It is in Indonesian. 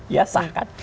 ya sah kan